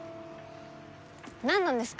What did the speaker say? なんなんですか？